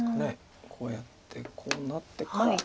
こうやってこうなってから。